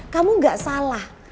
kamu gak salah